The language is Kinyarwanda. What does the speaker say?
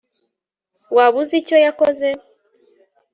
waba uzi icyo yakoze